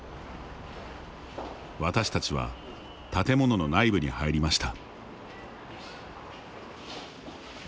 私たちは建物の内部に入りました。